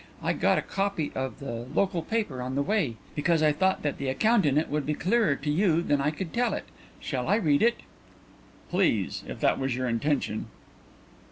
I got a copy of the local paper on the way, because I thought that the account in it would be clearer to you than I could tell it. Shall I read it?" "Please; if that was your intention."